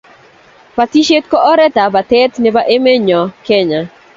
batishet ko oret ab batet nebo emenyo Kenya